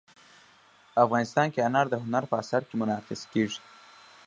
افغانستان کې انار د هنر په اثار کې منعکس کېږي.